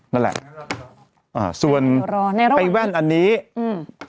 นั่นแหละอ่าส่วนในแว่นอันนี้อืม